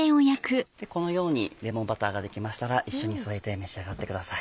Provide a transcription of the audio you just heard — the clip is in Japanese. このようにレモンバターができましたら一緒に添えて召し上がってください。